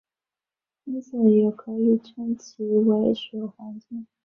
因此也可以称其为水环境。